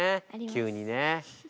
急にね。